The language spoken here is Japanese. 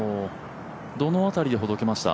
どの辺りでほどけました？